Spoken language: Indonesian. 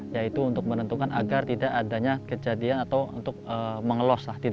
yaitu untuk menentukan agar tidak adanya kejadian atau untuk mengelos